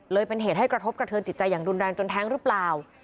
เป็นเหตุให้กระทบกระเทินจิตใจอย่างรุนแรงจนแท้งหรือเปล่า